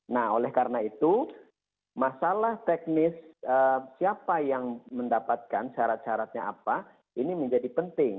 nah oleh karena itu masalah teknis siapa yang mendapatkan syarat syaratnya apa ini menjadi penting